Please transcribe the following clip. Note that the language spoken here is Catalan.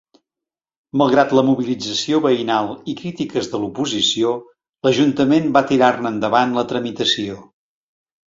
Malgrat la mobilització veïnal i crítiques de l'oposició, l'Ajuntament va tirar-ne endavant la tramitació.